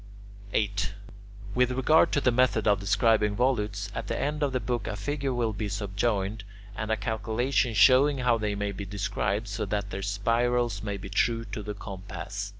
[Note 2: Codd. altitudo.] 8. With regard to the method of describing volutes, at the end of the book a figure will be subjoined and a calculation showing how they may be described so that their spirals may be true to the compass.